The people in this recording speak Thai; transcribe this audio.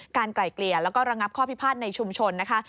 ไกล่เกลี่ยแล้วก็ระงับข้อพิพาทในชุมชนนะคะ